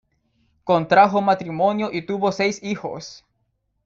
Contrajo matrimonio y tuvo seis hijos.